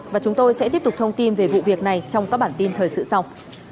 và chúng tôi sẽ tiếp tục thông tin về vụ việc này trong các bản tin thời sự sau